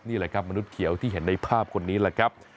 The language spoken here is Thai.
นี่แหละครับมนุษย์เขียวที่เห็นในภาพคนนี้แหละครับ